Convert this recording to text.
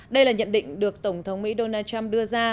đây là nhận định được tổng thống mỹ donald trump đưa ra